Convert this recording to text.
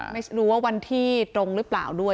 ไม่รู้ว่าวันที่ตรงหรือเปล่าด้วย